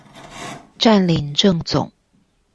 佔領政總